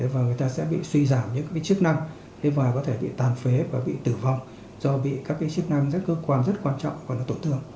và người ta sẽ bị suy giảm những chức năng và có thể bị tàn phế và bị tử vong do bị các chức năng rất cơ quan rất quan trọng và nó tổn thương